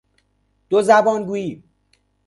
دو زبانگویی